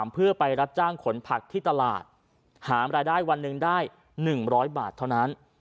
เพื่อไปรับจ้างขนผักที่ตลาดหารายได้วันหนึ่งได้๑๐๐บาทเท่านั้น